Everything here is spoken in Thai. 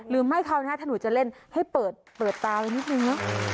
ลืมให้เขาน่ะถ้าหนูจะเล่นให้เปิดตาไว้นิดหนึ่ง